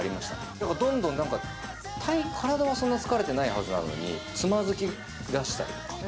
だからどんどん、なんか、体はそんなに疲れてないはずなのに、つまずきだしたり。